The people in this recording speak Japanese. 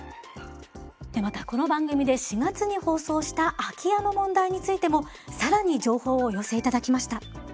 またこの番組で４月に放送した空き家の問題についても更に情報をお寄せいただきました。